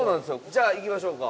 じゃあ行きましょうか。